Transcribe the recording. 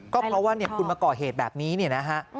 ก็เพราะว่าคุณมาก่อเหตุแบบนี้เนี่ยนะฮะ